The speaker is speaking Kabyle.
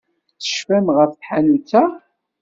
Tecfamt ɣef tḥanut-a?